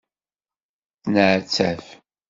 Tenɛettab.